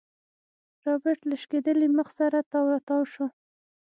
رابرټ له شکېدلي مخ سره تاو راتاو شو.